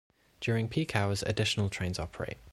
During peak hours additional trains operate.